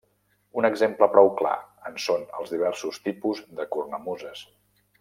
Un exemple prou clar en són els diversos tipus de cornamuses.